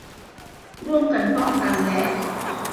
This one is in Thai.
ร่วมกันป้องกันและ